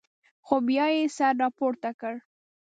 خو بیا یې سر راپورته کړ.